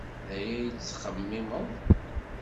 D aya ay tettxemmimeḍ.